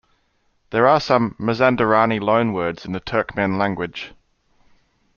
There are some Mazanderani loanwords in the Turkmen language.